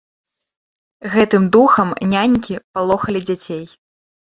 Гэтым духам нянькі палохалі дзяцей.